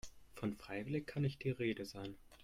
Von freiwillig kann nicht die Rede sein.